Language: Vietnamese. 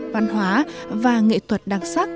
văn hóa và nghệ thuật đặc sắc